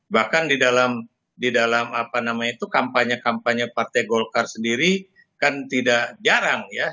bahkan di dalam kampanye kampanye partai golkar sendiri kan tidak jarang ya